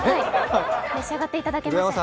召し上がっていただけません。